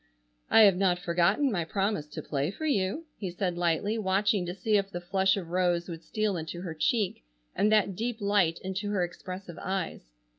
"I have not forgotten my promise to play for you," he said lightly, watching to see if the flush of rose would steal into her cheek, and that deep light into her expressive eyes.